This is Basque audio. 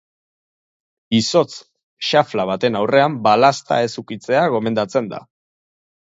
Izotz xafla baten aurrean balazta ez ukitzea gomendatzen da.